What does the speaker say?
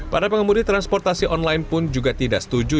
para pengemudi transportasi online pun juga tidak setuju